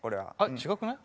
違くない？